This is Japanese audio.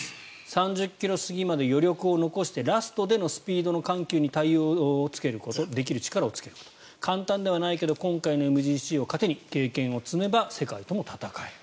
３０ｋｍ過ぎまで余力を残してラストでのスピードの緩急に対応できる力をつけること簡単ではないが今回のＭＧＣを糧に経験を積めば世界とも戦える。